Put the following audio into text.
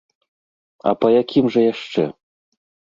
А па якім жа яшчэ?